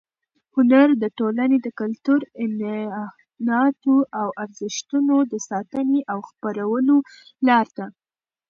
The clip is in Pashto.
هنر د ټولنې د کلتور، عنعناتو او ارزښتونو د ساتنې او خپرولو لار ده.